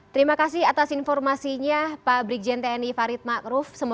terima kasih atas informasinya pak brig jendeni farid ma'ruf